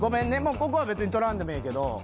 ここは別に撮らんでもええけど。